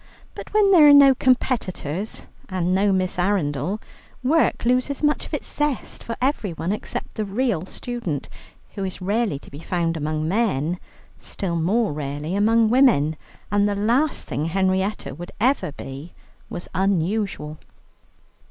But when there are no competitors and no Miss Arundel, work loses much of its zest for everyone except the real student, who is rarely to be found among men, still more rarely among women. And the last thing Henrietta would ever be was unusual.